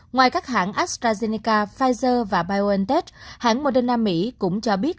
ngoài các hãng astrazeneca pfizer và biontech hãng moderna mỹ cũng cho biết